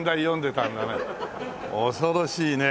恐ろしいね。